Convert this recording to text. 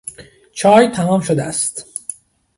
چای تمام شده است.